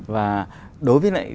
và đối với lại